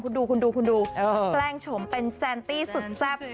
คุณดูแปลงโฉมเป็นแซนตี้สุดแซ่บ